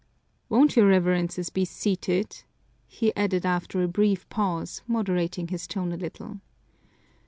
"Won't your Reverences be seated?" he added after a brief pause, moderating his tone a little.